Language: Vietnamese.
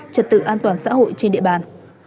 trật tự an toàn xã hội trên địa bàn